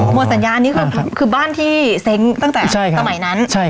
หมดสัญญานี้คือบ้านที่เซ้งตั้งแต่สมัยนั้น